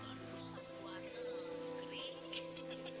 namanya juga lulusan luar negeri